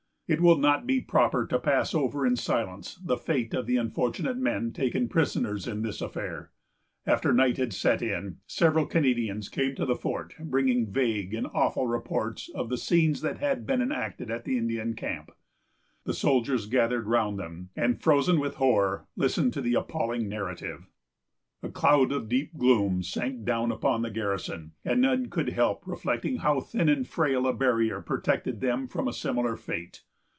It will not be proper to pass over in silence the fate of the unfortunate men taken prisoners in this affair. After night had set in, several Canadians came to the fort, bringing vague and awful reports of the scenes that had been enacted at the Indian camp. The soldiers gathered round them, and, frozen with horror, listened to the appalling narrative. A cloud of deep gloom sank down upon the garrison, and none could help reflecting how thin and frail a barrier protected them from a similar fate.